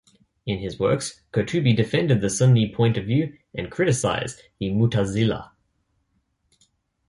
In his works, Qurtubi defended the Sunni point of view and criticized the Mu'tazilah.